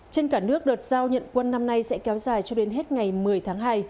trên cả nước đợt giao nhận quân năm nay sẽ kéo dài cho đến hết ngày một mươi tháng hai